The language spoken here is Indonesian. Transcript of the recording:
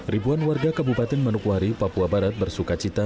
ribuan warga kabupaten manukwari papua barat bersuka cita